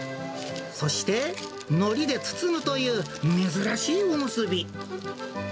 そして、のりで包むという珍しいおむすび。